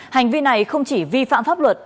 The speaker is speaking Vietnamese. hành vi này không chỉ vi phạm pháp luật